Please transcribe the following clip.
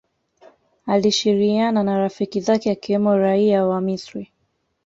alishiriiiana na rafiki zake akiwemo Raia wa Misri